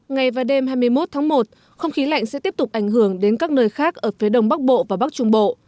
ngày và đêm hai mươi một tháng một không khí lạnh sẽ tiếp tục ảnh hưởng đến các nơi khác ở phía đông bắc bộ và bắc trung bộ